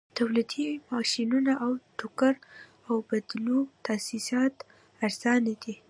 تولیدي ماشینونه او د ټوکر اوبدلو تاسیسات ارزانه دي